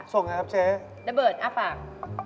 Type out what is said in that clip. ส่งไงครับเจ๊ดะเบิร์ดอ้าวฝาก